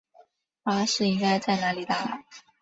巴士应该在哪里搭？